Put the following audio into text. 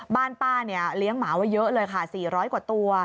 บ้านป้าเนี่ยเลี้ยงหมาไว้เยอะเลยค่ะ๔๐๐กว่าตัว